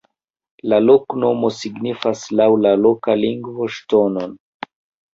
La loknomo signifas laŭ la loka lingvo ŝtonon.